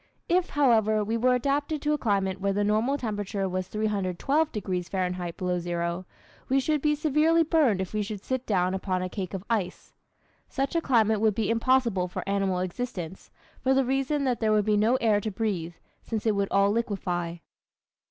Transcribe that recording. If, however, we were adapted to a climate where the normal temperature was 312 degrees Fahrenheit below zero, we should be severely burned if we should sit down upon a cake of ice. Such a climate would be impossible for animal existence, for the reason that there would be no air to breathe, since it would all liquefy.